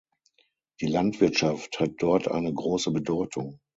Die Landwirtschaft hat dort eine große Bedeutung.